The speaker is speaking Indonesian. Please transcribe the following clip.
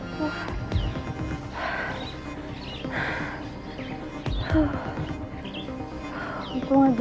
aku harus cepat cepat ngurus keberangkatannya